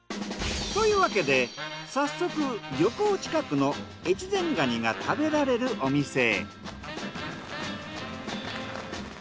というわけで早速漁港近くの越前がにが食べられるお店へ。